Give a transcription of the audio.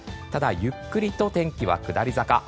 ただゆっくりと天気は下り坂。